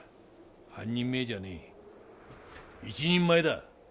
半人前じゃねえ一人前だ。